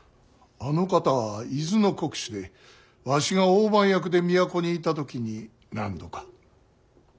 あの方は伊豆の国主でわしが大番役で都にいた時に何度か。